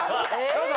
どうぞ。